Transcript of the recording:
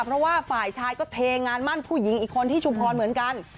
เพราะว่าฝ่ายชายก็เทงานมั่นผู้หญิงอีกคนที่ชุมพรเหมือนกัน